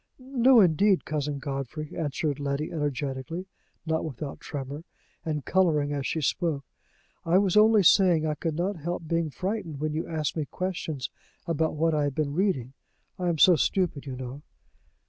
"No, indeed, Cousin Godfrey!" answered Letty energetically, not without tremor, and coloring as she spoke. "I was only saying I could not help being frightened when you asked me questions about what I had been reading. I am so stupid, you know!"